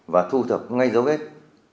và thu thập ngay dấu vết